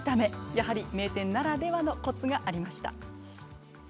やはり名店ならではのコツがありました。